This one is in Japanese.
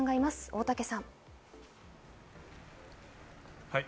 大竹さん。